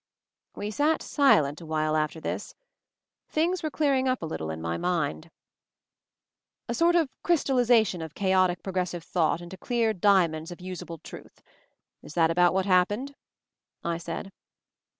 We sat silent awhile after this. Things were clearing up a little in my mind. "A sort of crystallization of chaotic pro gressive thought into clear diamonds of us ee MOVING THE MOUNTAIN 261 able truth — is that about what happened ?" I said.